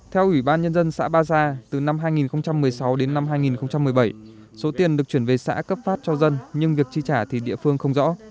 theo ủy ban nhân dân xã ba gia từ năm hai nghìn một mươi sáu đến năm hai nghìn một mươi bảy số tiền được chuyển về xã cấp phát cho dân nhưng việc chi trả thì địa phương không rõ